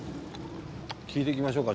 聞いてきましょうか？